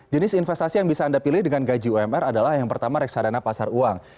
jenis investasi yang bisa anda pilih dengan gaji umr adalah yang pertama reksadana pasar uang